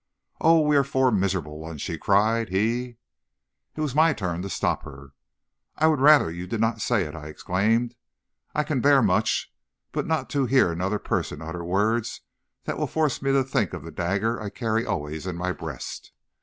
"'Oh! we are four miserable ones!' she cried. 'He ' "It was my turn to stop her. "'I would rather you did not say it,' I exclaimed. 'I can bear much, but not to hear another person utter words that will force me to think of the dagger I carry always in my breast.